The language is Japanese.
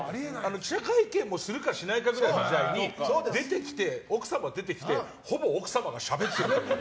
記者会見をするかしないかくらいの時代に出てきて、奥様も出てきてほぼ奥様がしゃべってる。